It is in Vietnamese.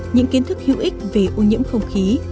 những kiến thức hữu ích về ô nhiễm không khí